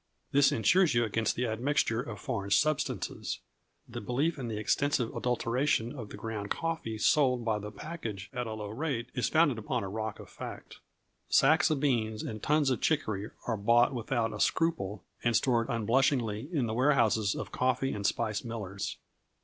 This insures you against the admixture of foreign substances. The belief in the extensive adulteration of the ground coffee sold by the package at a low rate is founded upon a rock of fact. Sacks of beans and tons of chicory are bought without a scruple, and stored unblushingly in the warehouses of coffee and spice millers.